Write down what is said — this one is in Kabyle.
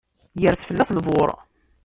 Yers fell-as lbur.